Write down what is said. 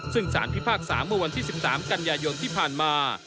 ซึ่งสารพิพากษาเมื่อวันที่๑๓กันยายนที่ผ่านมา